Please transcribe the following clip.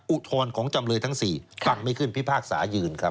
อุทธรณ์ของจำเลยทั้ง๔ฟังไม่ขึ้นพิพากษายืนครับ